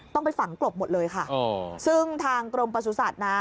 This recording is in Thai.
ต้องไปฝังกลบหมดเลยค่ะซึ่งทางกรมประสุทธิ์นะ